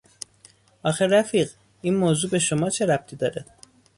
آخه رفیق، این موضوع به شما چه ربطی داره!